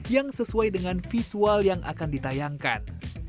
yang sesuai dengan visual yang akan ditayangkan